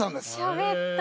しゃべった。